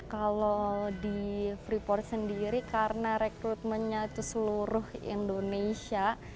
kalau di freeport sendiri karena rekrutmennya itu seluruh indonesia